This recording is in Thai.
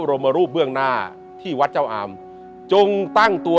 รมรูปเบื้องหน้าที่วัดเจ้าอามจงตั้งตัว